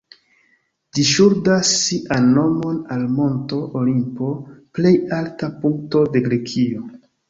Ĝi ŝuldas sian nomon al la Monto Olimpo, plej alta punkto de Grekio.